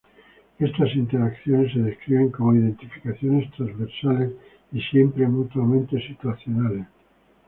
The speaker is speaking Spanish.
Estas interacciones se describen como "identificaciones transversales y siempre mutuamente situacionales".